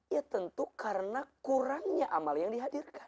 ya tentu karena kurangnya amal yang dihadirkan